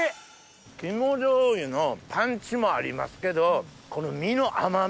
肝醤油のパンチもありますけどこの身の甘み。